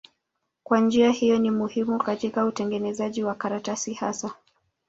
Kwa njia hiyo ni muhimu katika utengenezaji wa karatasi hasa.